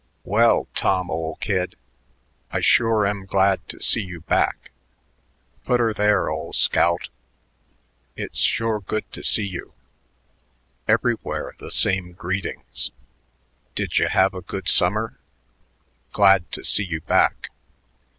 "Well, Tom, ol' kid, I sure am glad to see you back."... "Put her there, ol' scout; it's sure good to see you." Everywhere the same greetings: "Didya have a good summer? Glad to see you back."